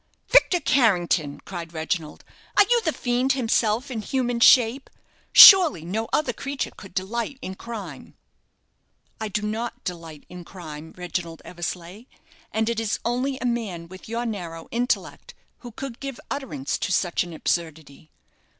"Victor Carrington!" cried Reginald, "are you the fiend himself in human shape? Surely no other creature could delight in crime." "I do not delight in crime, Reginald Eversleigh; and it is only a man with your narrow intellect who could give utterance to such an absurdity.